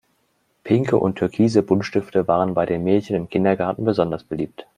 Pinke und türkise Buntstifte waren bei den Mädchen im Kindergarten besonders beliebt.